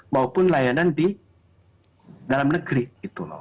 maupun layanan di dalam negeri gitu loh